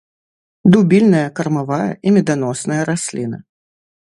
Дубільная, кармавая і меданосная расліна.